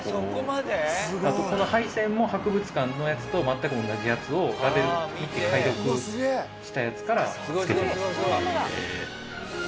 あとこの配線も博物館のやつと全く同じやつをラベル解読したやつからつけてます。